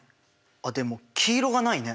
あっでも黄色がないね。